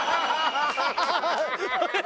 ハハハハ！